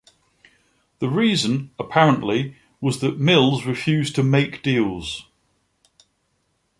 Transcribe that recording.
The reason, apparently, was that Mills refused to make deals.